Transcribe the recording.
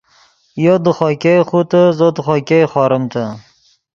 یو دے خوئے ګئے خوتے زو دے خوئے ګئے خوریمتے